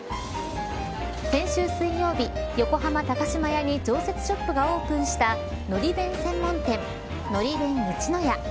先週水曜日横浜高島屋に常設ショップがオープンした海苔弁専門店海苔弁いちのや。